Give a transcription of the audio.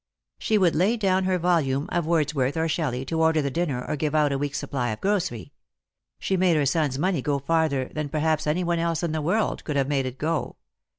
She would lay down her volume of Wordsworth or Shelley to order the dinner or give out a week's supply of grocery. She made her son's money go farther than perhaps any one else in the world could have made it go.